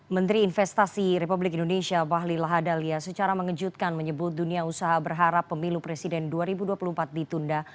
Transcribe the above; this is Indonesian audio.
menteri investasi republik indonesia bahlil lahadalia secara mengejutkan menyebut dunia usaha berharap pemilu presiden dua ribu dua puluh empat ditunda